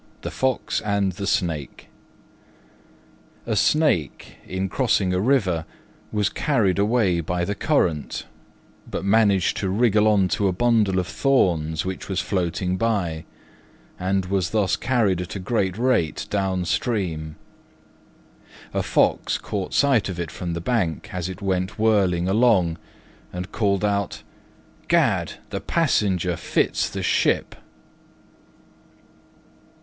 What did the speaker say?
THE FOX AND THE SNAKE A Snake, in crossing a river, was carried away by the current, but managed to wriggle on to a bundle of thorns which was floating by, and was thus carried at a great rate down stream. A Fox caught sight of it from the bank as it went whirling along, and called out, "Gad! the passenger fits the ship!"